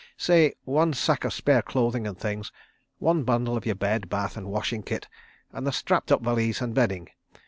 Say, one sack of spare clothing and things; one bundle of your bed, bath, and washing kit; and the strapped up valise and bedding.